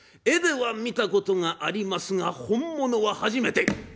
絵では見たことがありますが本物は初めて。